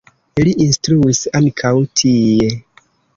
Li instruis ankaŭ tie.